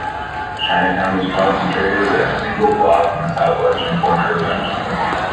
Chinatown was concentrated in a single block in the southwestern corner of Duncan.